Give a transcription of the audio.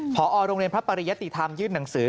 พอโรงเรียนพระปริยติธรรมยื่นหนังสือ